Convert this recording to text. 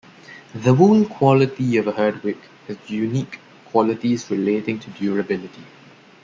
The wool quality of a Herdwick has unique qualities relating to durability.